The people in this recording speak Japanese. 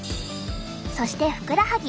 そしてふくらはぎ。